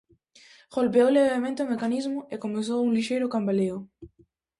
Golpeou levemente o mecanismo e comezou un lixeiro cambaleo.